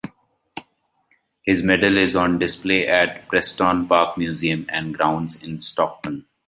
His medal is on display at Preston Park Museum and Grounds in Stockton.